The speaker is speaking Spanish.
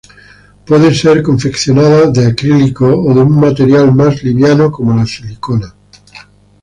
Puede ser confeccionada de acrílico o de un material más liviano como la silicona.